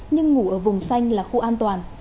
nhưng ngủ ở vùng xanh là khu an toàn